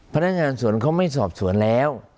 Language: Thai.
พนักงานสวนเขาไม่สอบสวนแล้ว